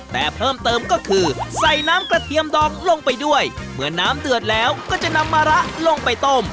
แต่เพิ่มเติมก็คือใส่น้ำกระเทียมดองลงไปด้วยเมื่อน้ำเดือดแล้วก็จะนำมะระลงไปต้ม